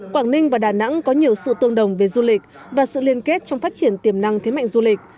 quảng ninh và đà nẵng có nhiều sự tương đồng về du lịch và sự liên kết trong phát triển tiềm năng thế mạnh du lịch